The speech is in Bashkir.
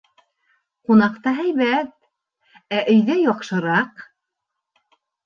Ҡунаҡта һәйбәт, ә өйҙә яҡшыраҡ